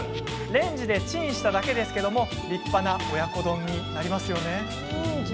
レンジでチンしただけですが立派な親子丼になりますよね。